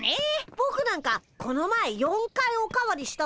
ぼくなんかこの前４回お代わりしたもんね。